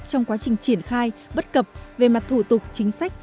trong quá trình triển khai bất cập về mặt thủ tục chính sách